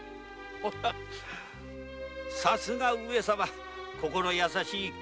さすが上様心優しい気配り。